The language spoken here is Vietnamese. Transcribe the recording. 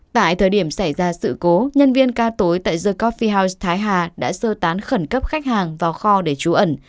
tại thời điểm xảy ra sự cố nhân viên ca tối tại the coffee house thái hà đã sơ tán khẩn cấp khách hàng vào kho để trú ẩn